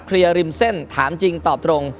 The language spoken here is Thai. ริมเส้นถามจริงตอบตรง